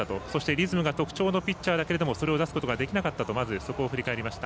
リズムが特徴のピッチャーだがそれを出すことができなかったとまず、そこを振り返りました。